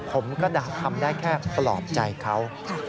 ผมก็ทำได้แค่ปลอบใจเขา